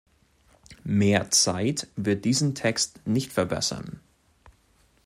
Mehr Zeit wird diesen Text nicht verbessern.